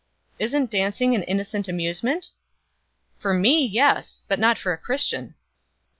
"Isn't dancing an innocent amusement?" "For me yes, but not for a Christian."